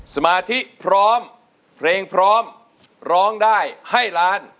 สมาธิพร้อมเพลงพร้อมร้องได้ให้ล้าน